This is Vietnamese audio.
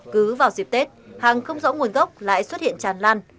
cứ vào dịp tết hàng không rõ nguồn gốc lại xuất hiện tràn lan